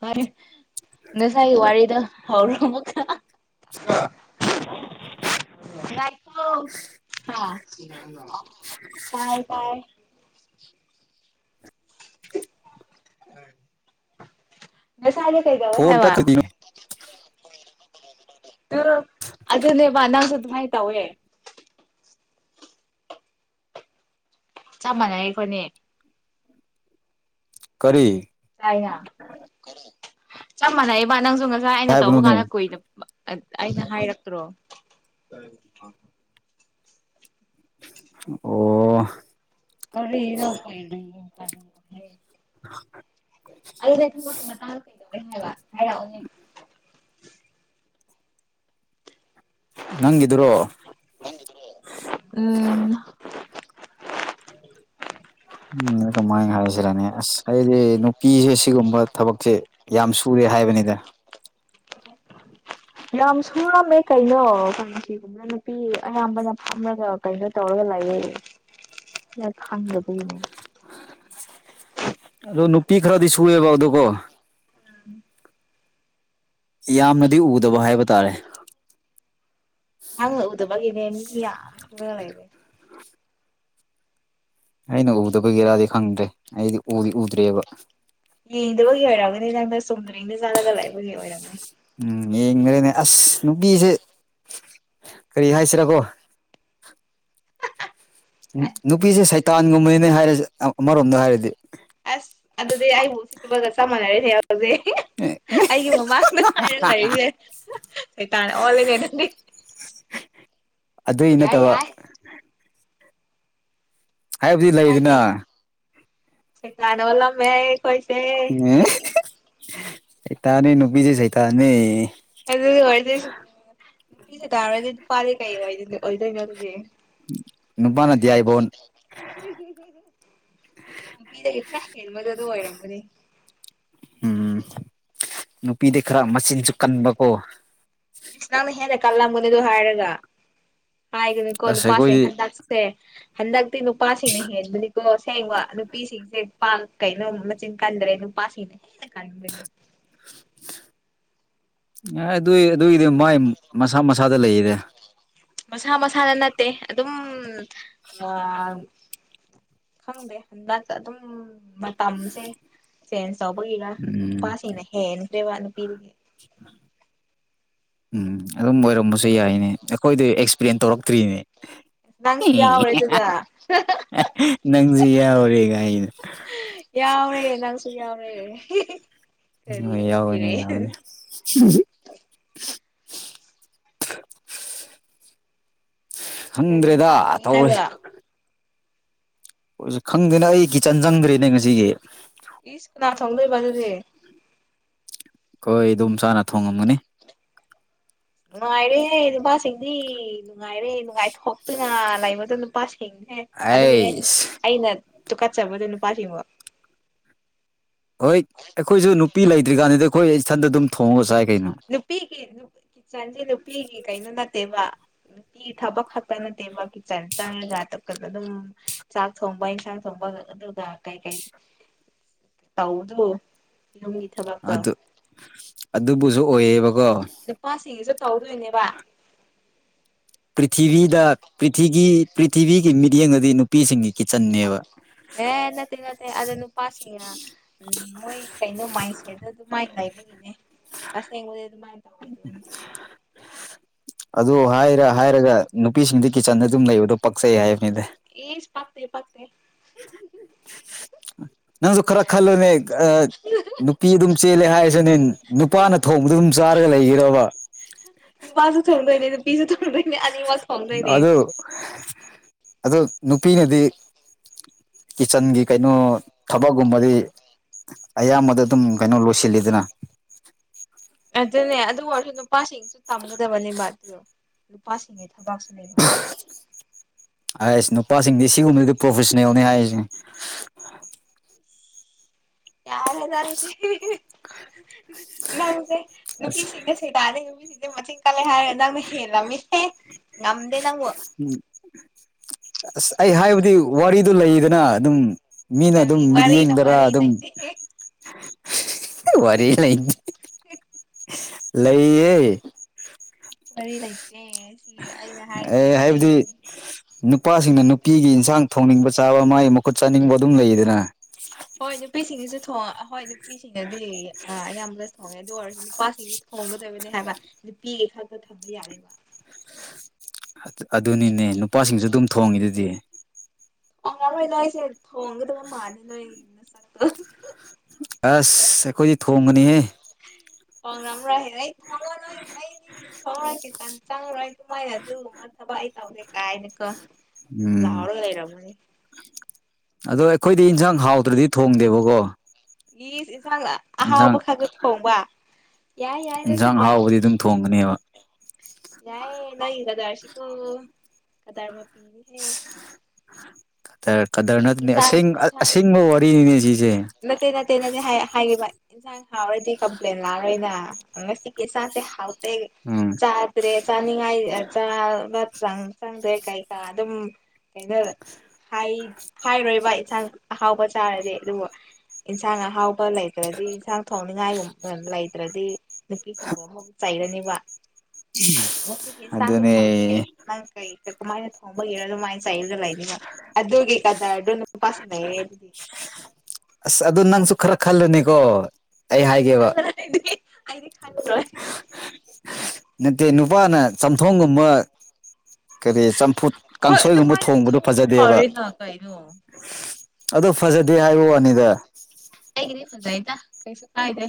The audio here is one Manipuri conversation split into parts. ꯐꯔꯦ ꯉꯁꯥꯏꯒꯤ ꯋꯥꯔꯤꯗ‌ꯣ ꯍꯧꯔꯣ ꯑꯃꯨꯛꯀ ꯉꯥꯏꯈ‌ꯣ ꯍꯥ ꯇꯥꯏ ꯇꯥꯏ ꯅꯁꯥꯅ ꯀꯩꯗꯧꯋ‌ꯦ ꯐꯣꯟ ꯍꯥꯏꯕ ꯄꯥꯏꯈꯠꯂꯤꯅꯣ ꯇꯨ ꯑꯗꯨꯅꯦꯕ ꯅꯪꯁꯨ ꯑꯗꯨꯃꯥꯏ ꯇꯧꯋꯦ ꯆꯞ ꯃꯥꯟꯅꯩ ꯑꯩꯈꯣꯏꯅꯤ ꯀꯔꯤ ꯥꯏꯅ ꯆꯞ ꯃꯥꯟꯅꯩꯌ‌ꯦꯕ ꯅꯪꯁꯨ ꯉꯁꯥꯏ ꯑꯩꯅ ꯇꯧꯕ ꯍꯥꯏꯕꯅꯣꯅꯦ ꯀꯥꯟꯗ ꯀꯨꯏꯗꯕ ꯑꯩꯅ ꯍꯥꯏꯔꯛꯇ꯭ꯔꯣ ꯑꯣ ꯀꯔꯤꯔ ꯑꯩꯅ ꯊꯕꯛꯀꯤ ꯃꯇꯥꯡꯗ ꯀꯩꯗꯧꯔꯦ ꯍꯥꯏꯕ ꯍꯥꯏꯔꯛꯎꯅꯦ ꯅꯪꯒꯤꯗꯨꯔꯣ ꯎꯝ ꯎꯝ ꯀꯃꯥꯏꯅ ꯍꯥꯏꯁꯤꯔꯅ‌ꯦ ꯑꯁ ꯍꯥꯏꯗꯤ ꯅꯨꯄꯤꯁꯦ ꯁꯤꯒꯨꯝꯕ ꯊꯕꯛꯁꯦ ꯌꯥꯝ ꯁꯨꯔꯦ ꯍꯥꯏꯕꯅꯤꯗ ꯌꯥꯝ ꯁꯨꯔꯝꯃꯦ ꯀꯩꯅꯣ [unintelligible] ꯅꯨꯄꯤ ꯑꯌꯥꯝꯕꯅ ꯐꯝꯔꯒ ꯀꯩꯅꯣ ꯇꯧꯔꯒ ꯂꯩꯌ‌ꯦ ꯅꯪ ꯈꯪꯗꯕꯒꯤꯅ‌ꯦ ꯑꯗꯣ ꯅꯨꯄꯤ ꯈꯔꯗꯤ ꯁꯨꯨꯔꯦꯕ ꯑꯗꯨꯀꯣ ꯌꯥꯝꯅꯗꯤ ꯎꯗꯕ ꯍꯥꯏꯕ ꯇꯥꯔꯦ ꯅꯪ ꯎꯗꯕꯒꯤꯅꯦ ꯃꯤ ꯌꯥꯝꯔꯒ ꯂꯩꯔ‌ꯦ ꯑꯩꯅ ꯎꯗꯕꯒꯤꯔꯥꯗꯤ ꯈꯪꯗ꯭ꯔꯦ ꯑꯩꯗꯤ ꯎꯗꯤ ꯎꯗ꯭ꯔꯦꯕ ꯌꯦꯡꯗꯕꯒꯤ ꯑꯣꯏꯔꯝꯒꯅꯤ ꯅꯪꯅ ꯆꯨꯝꯗ꯭ꯔꯤꯡꯗ ꯆꯠꯂꯒ ꯂꯩꯕꯒꯤ ꯑꯣꯏꯔꯝꯒꯅꯤ ꯎꯝ ꯌꯦꯡꯅꯔꯦꯅꯦ ꯑꯁ ꯅꯨꯄꯤꯁꯦ ꯀꯔꯤ ꯍꯥꯏꯁꯤꯔꯀꯣ ꯅꯨꯄꯤꯁꯦ ꯁꯩꯇꯥꯟꯒꯨꯝꯕꯅꯤꯅꯦ ꯍꯥꯏꯔꯁꯦ ꯑꯃꯔꯣꯝꯗ ꯍꯥꯏꯔꯗꯤ ꯑꯁ ꯑꯗꯨꯗꯤ ꯑꯩꯕꯨ ꯎꯁꯤꯠꯇꯕꯒ ꯆꯞ ꯃꯥꯟꯅꯩꯍ‌ꯦ ꯑꯦ ꯑꯩꯒꯤ ꯃꯃꯥꯡꯗ [unintelligible] ꯂꯩꯔꯤꯁꯦ ꯁꯩꯇꯥꯟ ꯑꯣꯜꯂꯒ‌ꯦ ꯅꯪꯗꯤ ꯑꯗꯨꯏ ꯌꯥꯏ ꯅꯠꯇꯕ ꯌꯥꯏ ꯍꯥꯏꯕꯗꯤ ꯂꯩꯗꯅ [unintelligible] ꯁꯩꯇꯥꯟ ꯑꯣꯜꯂꯝꯃ‌ꯦ ꯑꯩꯈ‌ꯣꯏꯁ‌ꯦ ꯁꯩꯇꯥꯟꯅ‌ꯦ ꯅꯨꯄꯤꯁ‌ꯦ ꯁꯩꯇꯥꯟ ꯅ‌ꯦ ꯑꯗꯨꯗꯤ ꯑꯣꯏꯗꯣꯏꯁꯨ ꯅꯨꯄꯤꯅ ꯇꯧꯔꯥꯗꯤ ꯅꯨꯄꯥꯗꯤ ꯀꯩ ꯑꯣꯏꯗꯣꯏ ꯑꯣꯏꯗꯣꯏꯅꯣ ꯑꯗꯨꯗꯤ ꯅꯨꯄꯥꯅ ꯗꯤꯌꯥꯏꯕꯣꯟ ꯅꯨꯄꯤꯗꯒꯤ ꯈꯔ ꯍꯦꯟꯕꯗꯨ ꯑꯗꯨ ꯑꯣꯏꯔꯝꯒꯅꯤ ꯎꯝ ꯅꯨꯄꯤꯗꯤ ꯈꯔ ꯃꯆꯤꯟꯁꯨ ꯀꯟꯕꯀꯣ ꯅꯪꯅ ꯍꯦꯟꯅ ꯀꯜꯂꯝꯒꯅꯤ ꯑꯗꯨ ꯍꯥꯏꯔꯒ ꯍꯥꯏꯒꯅꯨꯀꯣ ꯑꯁ ꯅꯨꯄꯥꯁꯤꯡ ꯑꯩꯈꯣꯏꯗꯤ ꯍꯟꯗꯛꯁ‌ꯦ ꯁꯦ ꯍꯟꯗꯛꯇꯤ ꯅꯨꯄꯥꯁꯤꯡꯅ ꯍꯦꯟꯕꯅꯤꯀꯣ ꯁꯦꯡꯕ ꯅꯨꯄꯤꯁꯤꯡꯗꯩ ꯄꯥ ꯀꯩꯅꯣ ꯃꯆꯤꯟ ꯀꯟꯗ꯭ꯔꯦ ꯅꯨꯄꯥꯁꯤꯡꯅ ꯍ‌ꯦꯟꯅ ꯀꯟꯕꯅ‌‌ꯦ [inaudible] ꯑꯦ ꯑꯗꯨꯏ ꯑꯗꯨꯒꯤꯗꯤ ꯃꯣꯏ ꯃꯁꯥ ꯃꯁꯥꯗ ꯂꯩꯔꯦ ꯃꯁꯥ ꯃꯁꯥꯗ ꯅꯠꯇꯦ ꯑꯗꯨꯝ ꯑꯥ ꯈꯪꯗꯦ ꯍꯟꯗꯛꯇ ꯑꯗꯨꯝ ꯃꯇꯝꯁꯦ ꯆꯦꯟꯖ ꯇꯧꯕꯒꯤꯔꯥ ꯎꯝ ꯅꯨꯄꯥꯁꯤꯡꯅ ꯍꯦꯟꯈ꯭ꯔꯦꯕ ꯅꯨꯄꯤ [inaudible] ꯎꯝ ꯑꯗꯨꯝ ꯑꯣꯏꯔꯝꯕꯁꯨ ꯌꯥꯏꯅꯦ ꯑꯩꯈꯣꯏꯗꯤ ꯑꯦꯛꯁꯄ꯭ꯂꯦꯟ ꯇꯧꯔꯛꯇ꯭ꯔꯤꯅꯦ ꯅꯪꯁꯨ ꯌꯥꯎꯔꯦ ꯑꯗꯨꯒ ꯅꯪꯖꯨ ꯌꯥꯎꯔꯦ ꯒꯥꯏꯅ ꯖꯨ ꯌꯥꯎꯔꯦ ꯀꯔꯤ ꯑꯣ ꯌꯥꯎꯒꯅꯦ ꯑꯦꯛꯁꯄꯤꯔꯤꯌꯦꯟꯁ ꯌꯥꯎꯒꯅꯦ ꯀꯔꯤ ꯏꯟꯁꯥꯡ ꯈꯪꯗ꯭ꯔꯦꯗ ꯊꯣꯡꯉꯦ ꯇꯧꯔꯤꯁꯤ ꯍꯥꯏꯕ ꯈꯪꯗꯦꯅꯦ ꯑꯩ ꯀꯤꯆꯟ ꯆꯪꯗ꯭ꯔꯦꯅꯦ ꯉꯁꯤꯒꯤ ꯏꯁ ꯀꯅꯥ ꯊꯣꯡꯗꯣꯏꯕ ꯑꯗꯨꯗꯤ ꯈꯣꯏ ꯑꯗꯣꯝ ꯆꯥꯅ ꯊꯣꯡꯉꯝꯒꯅꯤ ꯅꯨꯡꯉꯥꯏꯔꯦꯍꯦ ꯅꯨꯄꯥꯁꯤꯡꯗꯤ ꯅꯨꯡꯉꯥꯏꯔꯦ ꯅꯨꯡꯉꯥꯏꯊꯣꯛꯇꯅ ꯂꯩꯕꯗ ꯅꯨꯄꯥꯁꯤꯡ ꯁꯤꯡꯁꯦ ꯑꯗꯨꯒꯤꯅꯦ ꯑꯩꯁ ꯑꯩꯅ ꯇꯨꯀꯠꯆꯕꯗꯣ ꯅꯨꯄꯥꯁꯤꯡꯕꯨ ꯍꯣꯏꯠ ꯑꯩꯈꯣꯏꯁꯨ ꯅꯨꯄꯤ ꯂꯩꯇ꯭ꯔꯤꯀꯥꯟꯗꯗꯤ ꯑꯩꯈꯣꯏ ꯏꯊꯟꯗ ꯑꯗꯨꯝ ꯊꯣꯡꯉꯥꯒ ꯆꯥꯏ ꯀꯩꯅꯣ ꯅꯨꯞ ꯅꯨꯄꯤꯒꯤ ꯀꯤꯠꯆꯟꯖꯦ ꯅꯨꯄꯤꯒꯤ ꯀꯩꯅꯣ ꯅꯠꯇꯦꯕ ꯅꯨꯄꯤꯒꯤ ꯊꯕꯛ ꯈꯛꯇ ꯅꯠꯇꯦꯕ ꯆꯟ ꯆꯥꯡꯉꯥꯒ [unintelligible] ꯑꯗꯨꯝ ꯆꯥꯛ ꯊꯣꯡꯕ ꯏꯟꯁꯥꯡ ꯊꯣꯡꯕ ꯑꯗꯨꯒ ꯀꯩꯀꯩ ꯇꯧꯕꯗꯣ ꯌꯨꯝꯒꯤ ꯊꯕꯛꯇꯣ ꯑꯗꯨ ꯑꯗꯨꯕꯨꯁꯨ ꯑꯣꯏꯌꯦꯕꯀꯣ ꯅꯨꯄꯥꯁꯤꯡꯒꯤꯁꯨ ꯇꯧꯗꯣꯏꯅꯦꯕ ꯄ꯭ꯔꯤꯊꯤꯕꯤꯗ ꯄ꯭ꯔꯤꯊꯤꯒꯤ ꯄ꯭ꯔꯤꯊꯤꯕꯤꯒꯤ ꯃꯤꯠꯌꯦꯡꯗꯥꯗꯤ ꯅꯨꯄꯤꯁꯤꯡꯒꯤ ꯀꯤꯆꯟꯅꯦꯕ ꯑꯦ ꯅꯠꯇꯦ ꯅꯠꯇꯦ ꯑꯗꯨ ꯅꯨꯄꯥꯁꯤꯡꯅ ꯎꯝ ꯃꯣꯏ ꯀꯩꯅꯣ ꯃꯥꯏꯁꯦꯗ ꯑꯗꯨꯃꯥꯏꯅ ꯂꯩꯕꯒꯤꯅꯦ ꯑꯁꯦꯡꯕꯗꯤ ꯑꯗꯨꯃꯥꯏꯅ ꯇꯧꯔꯤꯗꯨꯅꯤ [unintelligible] ꯑꯗꯨ ꯍꯥꯏꯔ ꯍꯥꯏꯔꯒ ꯅꯨꯄꯤꯁꯤꯡꯗꯣ ꯀꯤꯠꯆꯟꯗ ꯑꯗꯨꯝ ꯂꯩꯕꯗꯣ ꯄꯛꯆꯩ ꯍꯥꯏꯕꯅꯤꯗꯥ ꯏꯁ ꯄꯥꯛꯇꯦ ꯄꯥꯛꯇꯦ ꯅꯪꯖꯨ ꯈꯔ ꯈꯜꯂꯣꯅꯦ ꯅꯨꯄꯤ ꯑꯗꯨꯝ ꯆꯦꯜꯂꯦ ꯍꯥꯏꯔꯁꯤꯅꯦ ꯅꯨꯄꯥꯅ ꯊꯣꯡꯕꯗꯣ ꯑꯗꯨꯝ ꯆꯥꯔꯒ ꯂꯩꯈꯤꯔꯕ ꯅꯨꯄꯥꯁꯨ ꯊꯣꯡꯗꯣꯏꯅꯦ ꯅꯨꯄꯤꯁꯨ ꯊꯣꯡꯗꯣꯏꯅꯦ ꯑꯅꯤꯃꯛ ꯊꯣꯡꯗꯣꯏꯅꯦ ꯑꯗꯣ ꯅꯨꯄꯤꯅꯗꯤ ꯀꯤꯠꯆꯟꯒꯤ ꯀꯩꯅꯣ ꯊꯕꯛꯒꯨꯝꯕꯗꯤ ꯑꯌꯥꯝꯕꯗ ꯑꯗꯨꯝ ꯀꯩꯅꯣ ꯂꯣꯏꯁꯤꯜꯂꯤꯗꯅ ꯑꯗꯨꯅꯦ ꯑꯗꯨ ꯑꯣꯏꯔꯁꯨ ꯅꯨꯄꯥꯁꯤꯡꯁꯨ ꯇꯝꯒꯗꯕꯅꯦꯕ ꯑꯗꯨ ꯅꯨꯄꯥꯁꯤꯡꯒꯤ ꯊꯕꯛꯁꯨ ꯂꯩꯕ ꯑꯥꯏꯁ ꯅꯨꯄꯥꯁꯤꯡꯗꯤ ꯁꯤꯒꯨꯝꯕꯗꯤ ꯄ꯭ꯔꯣꯐꯦꯁꯅꯦꯜꯅꯤ ꯍꯥꯏꯔꯤꯁꯦ ꯌꯥꯔꯦꯗꯥ ꯅꯪꯁꯦ ꯅꯨꯄꯤ ꯑꯁ ꯁꯦꯡꯅ ꯁꯦꯡ ꯇꯥꯗꯩ ꯅꯨꯄꯤꯁꯤꯡꯗꯤ ꯃꯆꯤꯟ ꯀꯜꯂꯦ ꯍꯥꯏꯔꯒ ꯅꯪꯅ ꯍꯦꯜꯂꯝꯃꯤꯁꯦ ꯉꯝꯗꯦ ꯅꯪꯕꯨ ꯎꯝ ꯑꯁ ꯑꯩ ꯍꯥꯏꯕꯗꯤ ꯋꯥꯔꯤꯗꯨ ꯂꯩꯗꯅ ꯑꯗꯨꯝ ꯃꯤꯅ ꯑꯗꯨꯝ ꯀꯔꯤ ꯋꯥꯔꯤꯅꯣ ꯃꯤꯠꯌꯦꯡꯗꯥꯔ ꯋꯥꯔꯤ ꯑꯗꯨꯝ ꯂꯩꯇꯦ ꯋꯥꯔꯤ ꯂꯩ ꯂꯩꯌꯦ ꯋꯥꯔꯤ ꯂꯩꯇꯦ ꯁꯤ ꯑꯩꯅ ꯍꯥꯏꯔꯤꯁꯦ ꯑꯦ ꯍꯥꯏꯕꯗꯤ ꯑꯁꯦꯡꯕꯅꯦ ꯅꯨꯄꯥꯁꯤꯡꯅ ꯅꯨꯄꯤꯒꯤ ꯏꯟꯁꯥꯡ ꯊꯣꯡꯅꯤꯡꯕ ꯆꯥꯕ ꯃꯥꯒꯤ ꯃꯈꯨꯠ ꯆꯥꯅꯤꯡꯕ ꯑꯗꯨꯝ ꯂꯩꯗꯅ ꯍꯣꯏ ꯅꯨꯄꯤꯁꯤꯡꯅꯁꯨ ꯊꯣꯡ ꯍꯣꯏ ꯅꯨꯄꯤꯁꯤꯡꯅꯗꯤ ꯑꯌꯥꯝꯕ ꯍꯣꯏ ꯑꯗꯨ ꯑꯣꯏꯔꯁꯨ ꯅꯨꯄꯥꯁꯤꯡꯁꯨ ꯊꯣꯡꯒꯗꯕꯅꯤ ꯍꯥꯏꯕ ꯅꯨꯄꯤꯒꯤ ꯈꯛꯇ ꯊꯝꯕ ꯌꯥꯗꯦꯕ ꯑꯗꯨꯅꯤꯅꯦ ꯅꯨꯄꯥꯁꯤꯡꯁꯨ ꯑꯗꯨꯝ ꯊꯣꯡꯉꯤꯗꯨꯗꯤ [unintelligible] ꯑꯁ ꯑꯩꯈꯣꯏꯗꯤ ꯊꯣꯡꯒꯅꯤꯍꯦ [unintelligible] ꯁꯨꯃꯥꯏꯅ ꯑꯗꯨꯒꯨꯝꯕ ꯊꯕꯛ ꯑꯩ ꯇꯧꯗꯦ ꯀꯥꯏꯅꯀꯣ ꯎꯝ ꯂꯥꯎꯔꯒ ꯂꯩꯔꯝꯒꯅꯤ ꯑꯗꯣ ꯑꯩꯈꯣꯏꯗꯤ ꯌꯦꯟꯁꯥꯡ ꯍꯥꯎꯗ꯭ꯔꯗꯤ ꯊꯣꯡꯗꯦꯕꯀꯣ ꯏꯁ ꯏꯟꯁꯥꯡ ꯑꯍꯥꯎꯕ ꯏꯟꯁꯥꯡ ꯈꯂꯒ ꯊꯣꯡꯕ ꯌꯥꯏ ꯌꯥꯏ ꯅꯪꯁꯨ ꯏꯟꯁꯥꯡ ꯌꯥꯏ ꯍꯥꯎꯕꯗꯤ ꯑꯗꯨꯝ ꯊꯣꯡꯒꯅꯦꯕ ꯌꯥꯏꯌꯦ ꯅꯪ ꯀꯗꯥꯔꯁꯤꯀꯣ ꯀꯗꯥꯔ ꯃꯄꯤꯅꯦꯍꯦ ꯀꯗꯔ ꯅꯠꯇꯦ ꯏꯟꯁꯥꯡ ꯑꯁꯦꯡ ꯏꯟꯁꯥꯡ ꯑꯁꯦꯡꯕ ꯋꯥꯔꯤꯅꯤꯅꯦ ꯁꯤꯁꯦ ꯅꯠꯇꯦ ꯅꯠꯇꯦ ꯅꯗꯤ ꯍꯥꯏ ꯍꯥꯏꯕ ꯍꯥꯎꯔꯗꯤ ꯀꯝꯄ꯭ꯂꯦꯟ ꯂꯥꯛꯑꯔꯣꯏꯅ ꯉꯁꯤꯒꯤ ꯆꯥꯛꯁꯦ ꯍꯥꯎꯇ ꯎꯝ ꯆꯥꯛ ꯆ꯭ꯔꯦ ꯆꯥꯅꯤꯡꯉꯥꯏ ꯆꯥꯕ ꯆꯥꯡ ꯈꯪꯗ꯭ꯔꯦ ꯀꯩꯀꯥ ꯑꯗꯨꯝ ꯍꯥꯏꯔꯣꯏꯕ ꯏꯟꯁꯥꯡ ꯑꯍꯥꯎꯕ ꯆꯥꯔꯗꯤ ꯑꯗꯨꯒ ꯏꯟꯁꯥꯡ ꯑꯍꯥꯎꯕ ꯂꯩꯇ꯭ꯔꯗꯤ ꯏꯟꯁꯥꯡ ꯊꯣꯡꯅꯤꯉꯥꯏ ꯂꯩꯇ꯭ꯔꯗꯤ ꯅꯨꯄꯤꯁꯤꯡꯕꯨ ꯑꯃꯕꯨꯛ ꯆꯩꯔꯅꯦꯕ ꯑꯗꯨꯅꯦ ꯅꯪ ꯀꯩ ꯀꯃꯥꯏꯅ ꯊꯣꯡꯕꯒꯤꯔꯣ ꯑꯗꯨꯃꯥꯏꯅ ꯆꯩꯔꯒ ꯂꯩꯒꯅꯤꯕ ꯑꯗꯨꯒꯤ ꯀꯗꯔꯗꯣ ꯅꯨꯄꯥꯁꯤꯡ ꯂꯩꯔꯦ ꯑꯗꯨꯗꯤ ꯑꯁ ꯑꯗꯨ ꯅꯪꯁꯨ ꯈꯔ ꯈꯜꯂꯨꯅꯤꯀꯣ ꯑꯩ ꯍꯥꯏꯒꯦꯕ [unintelligible] ꯅꯠꯇꯦ ꯅꯨꯄꯥꯅ ꯆꯝꯊꯣꯡꯒꯨꯝꯕ ꯀꯔꯤ ꯆꯝꯐꯨꯠ ꯍꯣꯏ ꯀꯥꯡꯁꯣꯏꯒꯨꯝꯕ ꯑꯗꯨꯃꯥꯏꯅꯁꯨ ꯊꯣꯡꯕꯗꯣ ꯊꯣꯡꯕ ꯐꯖꯗꯦꯕ ꯇꯥꯔꯦꯅ ꯀꯩꯅꯣ ꯑꯗꯣ ꯐꯖꯗꯦ ꯍꯥꯏꯕ ꯋꯥꯅꯤꯗ ꯑꯩꯒꯤꯗꯤ ꯐꯖꯩꯗ ꯀꯩꯁꯨ ꯀꯥꯏꯗ꯭ꯔꯦ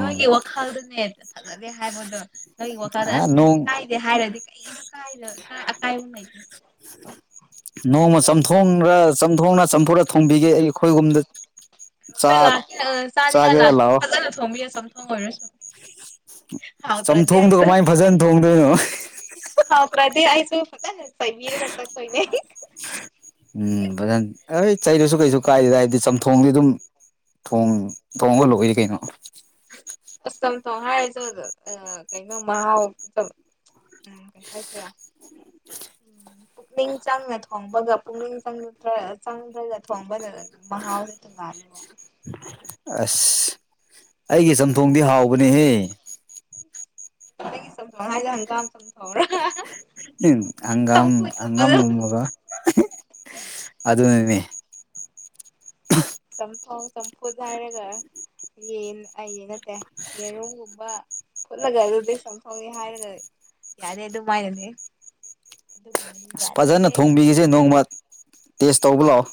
ꯅꯣꯏꯒꯤ ꯋꯥꯈꯜꯗꯅꯦ ꯐꯖꯗꯦ ꯍꯥꯏꯕꯗꯣ ꯅꯣꯏꯒꯤ ꯋꯥꯈꯜꯗ ꯑꯥ ꯑꯁ ꯅꯣꯡ ꯀꯩꯁꯨ ꯀꯥꯏ [unintelligible] ꯅꯣꯡꯃ ꯆꯝꯊꯣꯡꯔ ꯆꯝꯊꯣꯡꯅ ꯆꯝꯐꯨꯔ ꯊꯣꯡꯕꯤꯒꯦ ꯑꯩꯌꯨꯛ ꯍꯣꯏ ꯂꯥꯛꯀꯦ ꯑꯥ ꯆꯥꯅꯤꯉꯥꯏ ꯆꯥꯒꯦꯔ ꯂꯥꯛꯀꯦ ꯂꯥꯛꯑꯣ ꯐꯖꯅ ꯊꯣꯡꯕꯤꯌꯣ ꯆꯝꯊꯣꯡ ꯑꯣꯏꯔꯁꯨ ꯍꯥꯎꯇ꯭ꯔꯗꯤ ꯆꯝꯊꯣꯡꯗꯣ ꯑꯩꯁꯨ ꯀꯃꯥꯏꯅ ꯑꯩ ꯐꯖꯅ ꯊꯣꯡꯗꯣꯏꯅꯣ [unintelligible] ꯎꯝ ꯐꯖꯅ ꯑꯩ ꯆꯩꯔꯁꯨ ꯀꯩꯁꯨ ꯀꯥꯏꯗꯦꯗ ꯍꯥꯏꯗꯤ ꯆꯝꯊꯣꯡꯗꯤ ꯑꯗꯨꯝ ꯊꯣꯡ ꯊꯣꯡꯉ ꯂꯣꯏꯔꯦ ꯀꯩꯅꯣ ꯑꯁ ꯆꯝꯊꯣꯡ ꯍꯥꯏꯔꯁꯨ ꯑꯥ ꯀꯩꯅꯣ ꯃꯍꯥꯎ ꯎꯝ ꯍꯥꯏꯁꯤꯔ ꯎꯝ [inaudible] ꯄꯨꯛꯅꯤꯡ ꯆꯪꯅ ꯊꯣꯡꯕꯒ ꯄꯨꯛꯅꯤꯡ ꯆꯪꯗ꯭ꯔ ꯆꯪꯗ꯭ꯔꯒ ꯊꯣꯡꯕꯅ [unintelligible] ꯑꯁ ꯑꯩꯒꯤ ꯆꯝꯊꯣꯡꯗꯤ ꯍꯥꯎꯕꯅꯤꯍꯦ [unintelligible] ꯎꯝ ꯍꯪꯒꯥꯝ ꯆꯝꯐꯨꯠꯀꯨꯝꯕꯗꯣ ꯍꯪꯒꯥꯝꯒꯨꯝꯕꯒ ꯑꯗꯨꯅꯅꯦ [unintelligible] ꯆꯝꯊꯣꯡ ꯆꯝꯐꯨꯠ ꯍꯥꯏꯔꯒ ꯌꯦꯟ ꯑꯩ ꯅꯠꯇꯦ ꯌꯦꯔꯨꯝꯒꯨꯝꯕ ꯐꯨꯠꯂꯒ ꯑꯗꯨꯗꯤ ꯆꯝꯊꯣꯡꯅꯤ ꯍꯥꯏꯔꯒ ꯌꯥꯔꯦ ꯑꯗꯨꯃꯥꯏꯅꯅꯦ [unintelligible] ꯁꯦ ꯅꯣꯡꯃ ꯇꯦꯁ ꯇꯧꯕ ꯂꯥꯛꯑꯣ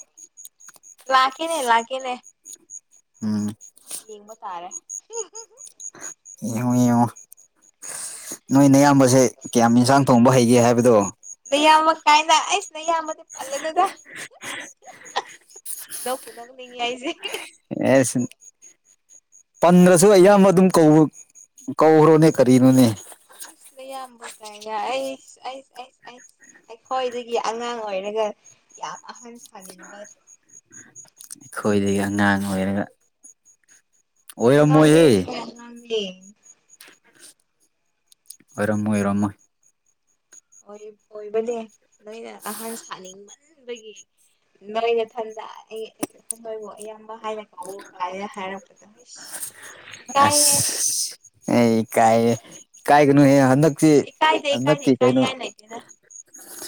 ꯂꯥꯛꯀꯦꯅꯦ ꯂꯛꯀꯦꯅꯦ ꯎꯝ ꯌꯦꯡꯕꯇꯥꯥꯔꯦ ꯌꯦꯡꯉꯣ ꯌꯦꯡꯉꯣ ꯅꯣꯏꯅꯌꯥꯝꯕꯁꯦ ꯀꯌꯥꯝ ꯌꯦꯟꯁꯥꯡ ꯊꯣꯡꯕ ꯍꯩꯒꯦ ꯍꯥꯏꯕ ꯑꯗꯨꯗꯣ ꯅ ꯑꯃ ꯀꯥꯏꯅ ꯑꯁ ꯅ ꯑꯃꯗꯤ ꯄꯥꯂ ꯅꯗ ꯅ ꯄꯨꯅ ꯂꯉ ꯌꯥꯏꯁꯦ ꯑꯦꯁ ꯄꯟꯗ꯭ꯔꯁꯨ ꯑꯌꯥꯝꯕ ꯑꯗꯨꯝ ꯀꯧꯕ ꯀꯧꯈ꯭ꯔꯣꯅꯦ ꯀꯔꯤꯅꯣꯅꯦ ꯏꯁ ꯅꯌꯥꯝꯕ ꯀꯥꯏꯅ ꯑꯩꯁ ꯩꯑ ꯑꯩ ꯑꯩ ꯑꯩꯈꯣꯏꯗꯒꯤ ꯑꯉꯥꯡ ꯑꯣꯏꯔꯒ ꯌꯥꯝ ꯑꯍꯟ ꯁꯥꯅꯤꯡꯕ ꯑꯈꯣꯏꯗꯩ ꯑꯉꯥꯡ ꯑꯣꯏꯔꯒ ꯑꯉꯥꯡꯅꯦ ꯑꯣꯏꯔꯝꯃꯣꯏꯍꯦ [unintelligible] ꯑꯉꯥꯡꯅꯦ ꯑꯣꯏꯔꯝꯃꯣꯏ ꯑꯣꯏꯔꯝꯃꯣꯏ ꯑꯣꯏ ꯑꯣꯏꯕꯅꯦ ꯅꯣꯏꯅ ꯑꯍꯟ ꯁꯥꯅꯤꯡꯃꯟꯕꯒꯤ ꯅꯣꯏ ꯅꯊꯟꯗ ꯑꯩ ꯑꯄꯨꯡꯕꯣꯏꯕꯨ ꯏꯌꯥꯝꯕ ꯍꯥꯏꯅ ꯀꯧꯑꯣ ꯀꯥꯏꯅ ꯍꯥꯏꯔꯛꯄ ꯑꯁ ꯑꯩ ꯏꯀꯥꯏꯌꯦ ꯏꯀꯥꯏꯒꯅꯨꯍꯦ ꯍꯟꯗꯛ ꯁꯤ ꯏꯀꯥꯏꯗꯦ ꯏꯀꯥꯏꯗꯦ ꯍꯟꯗꯛꯀꯤ ꯀꯩꯅꯣ ꯏꯀꯥꯏꯅꯤꯡꯉꯥꯏ ꯂꯩꯇꯦꯗ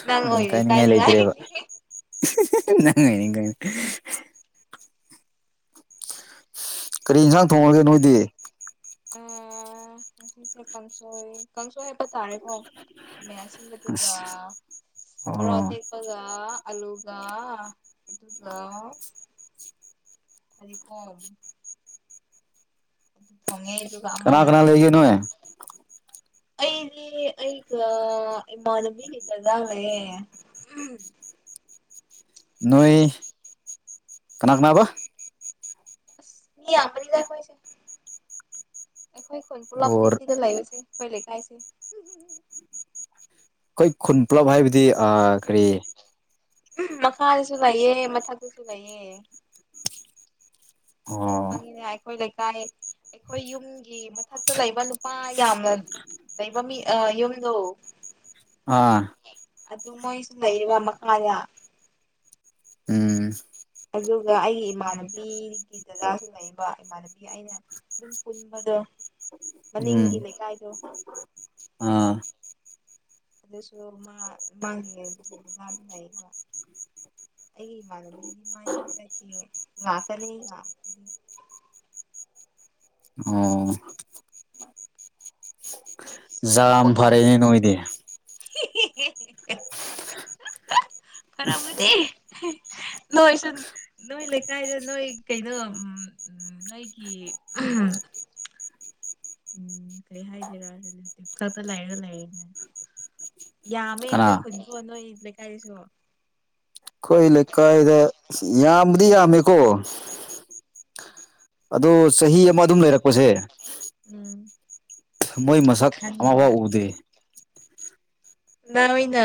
ꯅꯪ ꯎꯝ ꯑꯣꯏꯅ ꯀꯥꯏꯅꯤꯡꯉꯥꯏ ꯂꯩꯇ꯭ꯔꯦꯕ ꯏꯀꯥꯏꯅꯤꯡꯉꯥꯏꯅꯤ [unintelligible] ꯀꯔꯤ ꯌꯦꯟꯁꯥꯡ ꯊꯣꯡꯉꯒꯦ ꯅꯣꯏꯗꯤ ꯑꯥ ꯉꯁꯤꯁꯦ ꯀꯥꯡꯁꯣꯏ ꯀꯥꯡꯁꯣꯏ ꯍꯥꯏꯕ ꯇꯥꯔꯦꯀꯣ ꯈꯥꯃꯦꯟ ꯑꯁꯤꯟꯕꯗꯨꯒꯥ ꯑꯁ ꯃꯣꯔꯣꯛ ꯑꯣ ꯑꯇꯦꯛ ꯄꯒ ꯑꯂꯨꯒ ꯑꯗꯨꯒ ꯍꯥꯏꯗꯤꯀꯣ ꯊꯣꯡꯉꯦ ꯑꯗꯨꯒ ꯀꯅꯥ ꯑꯃꯅ ꯀꯅꯥ ꯂꯩꯒꯦ ꯅꯣꯏ ꯑꯩꯗꯤ ꯑꯩꯒ ꯏꯃꯥꯅꯕꯤꯒꯤ ꯗꯥꯗꯥ ꯂꯩꯌꯦ ꯅꯣꯏ ꯀꯅꯥ ꯀꯅꯥꯕ ꯑꯁ ꯃꯤ ꯌꯥꯝꯕꯅꯤꯗ ꯑꯩꯈꯣꯏꯁꯦ ꯑꯩꯈꯣꯏ ꯈꯨꯟ ꯄꯨꯂꯞꯅꯦ ꯑꯣ ꯁꯤꯗ ꯂꯩꯕꯁꯦ ꯑꯩꯈꯣꯏ ꯂꯩꯀꯥꯏꯁꯦ ꯑꯩꯈꯣꯏ ꯈꯨꯟ ꯄꯨꯂꯞ ꯍꯥꯏꯕꯗꯤ ꯑꯥ ꯀꯔꯤ ꯃꯈꯥꯗꯁꯨ ꯂꯩꯌꯦ ꯃꯊꯛꯇꯁꯨ ꯂꯩꯌꯦ ꯑꯣ ꯈꯪꯉꯤꯗ ꯑꯩꯈꯣꯏ ꯂꯩꯀꯥꯏ ꯑꯩꯈꯣꯏ ꯌꯨꯝꯒꯤ ꯒꯤ ꯃꯊꯛꯇ ꯂꯩꯕ ꯅꯨꯄꯥ ꯌꯥꯝꯅ ꯂꯩꯕ ꯃꯤ ꯑꯥ ꯌꯨꯝꯗꯣ ꯑꯥ ꯑꯗꯨ ꯃꯣꯏꯁꯨ ꯂꯩꯌꯦꯕ ꯃꯈꯥꯌ ꯎꯝ ꯑꯗꯨꯒ ꯑꯩꯒꯤ ꯏꯃꯥꯟꯅꯕꯤ ꯒꯤ ꯗꯥꯗꯥꯁꯨ ꯂꯩꯕ ꯏꯃꯥꯟꯅꯕꯤ ꯑꯩꯅ ꯗꯨꯝ ꯄꯨꯟꯕꯗꯣ ꯃꯅꯤꯡꯒꯤ ꯎꯝ ꯂꯩꯀꯥꯏꯗꯣ ꯑꯥ ꯑꯗꯨꯁꯨ ꯃꯥ [unintelligible] ꯃꯥ ꯂꯩꯌꯦꯕ ꯑꯩꯒꯤ ꯏꯃꯥꯟꯅꯕꯤꯗꯤ ꯃꯥ ꯌꯨꯝ ꯆꯠꯈꯤꯌꯦ ꯉꯥꯛꯇꯅꯤ ꯉꯥꯛ ꯑꯣ ꯖꯥꯝ ꯐꯔꯦꯅꯦ ꯅꯣꯏꯗꯤ [unintelligible] [unintelligible] ꯈꯔꯃꯗꯤ ꯅꯣꯏꯁꯨ ꯅꯣꯏ ꯂꯩꯀꯥꯏꯗ ꯅꯣꯏ ꯀꯩꯅꯣ ꯎꯝ ꯅꯣꯏꯒꯤ ꯎꯝ ꯀꯔꯤ ꯍꯥꯏꯒꯦꯔ [unintelligible] ꯈꯔ ꯈꯔ ꯂꯩꯔ ꯂꯩꯕꯅꯦ ꯌꯥꯝꯃꯦ ꯀꯅꯥ ꯑꯩꯈꯣꯏ ꯈꯨꯨꯟꯈꯣ ꯅꯣꯏ ꯂꯩꯀꯥꯏꯗꯁꯨ ꯈꯣꯏ ꯂꯩꯀꯥꯏꯗ ꯑꯁꯤ ꯌꯥꯝꯕꯗꯤ ꯌꯥꯝꯃꯦꯀꯣ ꯑꯗꯣ ꯆꯍꯤ ꯑꯃ ꯑꯗꯨꯝ ꯂꯩꯔꯛꯄꯁꯦ [inaudible] ꯃꯣꯏ ꯃꯁꯛ ꯈꯪꯗꯕ ꯑꯃꯐꯥꯎ ꯎꯗꯦ ꯅꯣꯏꯅꯥ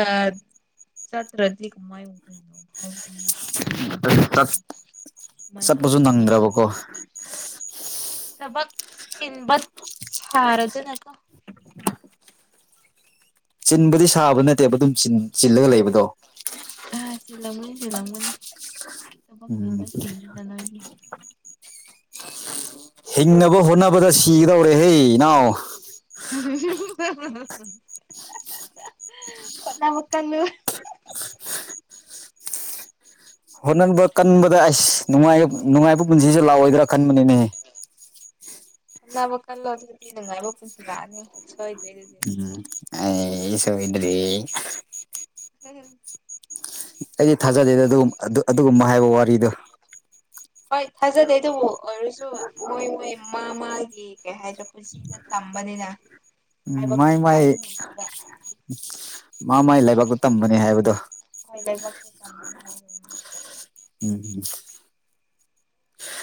ꯆꯠꯇ꯭ꯔꯗꯤ ꯀꯃꯥꯏ ꯎꯗꯣꯏꯅꯣ ꯍꯥꯏꯕꯗꯤ [unintelligible] ꯆꯠ ꯑꯗꯨꯃꯥꯏꯅ ꯆꯠꯄꯁꯨ ꯇꯧꯗ꯭ꯔꯗꯤ ꯅꯪꯗ꯭ꯔꯕꯀꯣ ꯊꯕꯛ ꯆꯤꯟꯕ ꯁꯥꯔꯗꯅꯀꯣ ꯆꯤꯟꯕꯗꯤ ꯁꯥꯕ ꯅꯠꯇꯦꯕ ꯑꯗꯨꯝ ꯆꯤꯟ ꯆꯤꯜꯂꯒ ꯂꯩꯕꯗꯣ ꯑ ꯆꯤꯜꯂꯝꯒꯅꯤ ꯆꯤꯜꯂꯝꯒꯅꯤ ꯊꯕꯛ ꯎꯝ ꯆꯤꯟꯕꯁꯤꯡꯅꯤꯅ ꯅꯪꯗꯤ ꯍꯤꯡꯅꯕ ꯍꯣꯠꯅꯕꯗ ꯁꯤꯒꯗꯧꯔꯦꯍꯦ ꯏꯅꯥꯎ [inaudible] ꯍꯣꯠꯅꯕ ꯀꯟꯕꯗ ꯑꯁ ꯅꯨꯡꯉꯥꯏ ꯅꯨꯡꯉꯥꯏꯕ ꯄꯨꯟꯁꯤꯁꯦ ꯂꯥꯛꯑꯣꯏꯗ꯭ꯔꯥ ꯈꯟꯕꯅꯤꯅꯦꯍ ꯅꯕ ꯀꯜꯂꯣ ꯑꯗꯨꯗꯤ ꯅꯨꯡꯉꯥꯏꯕ ꯄꯨꯟꯁꯤ ꯂꯥꯛꯑꯅꯤ ꯍꯣꯏꯗꯦꯍꯦ ꯎꯝ ꯑꯩ ꯁꯨꯕꯤꯗ꯭ꯔꯤ ꯎꯝ ꯑꯩꯗꯤ ꯊꯥꯖꯗꯦꯗ ꯑꯗꯨ ꯑꯗꯨꯒꯨꯝꯕ ꯍꯥꯏꯕ ꯋꯥꯔꯤꯗꯣ ꯍꯣꯏ ꯊꯥꯖꯗꯦ ꯑꯗꯨꯕꯨ ꯑꯣꯏꯔꯁꯨ ꯃꯣꯏ ꯃꯣꯏ ꯃꯥ ꯃꯥꯒꯤ ꯀꯩ ꯍꯥꯏꯗ ꯄꯨꯟꯁꯤꯅ ꯇꯝꯕꯅꯤꯅ ꯎꯝ ꯍꯥꯏꯕ ꯃꯥꯏ ꯃꯥꯏ ꯍꯥꯏꯕ ꯉꯝꯗꯦꯕ ꯃꯥ ꯃꯥꯏ ꯂꯩꯕꯥꯛꯇ ꯇꯝꯕꯅꯤ ꯍꯥꯏꯕꯗꯣ [unintelligible] ꯎꯝ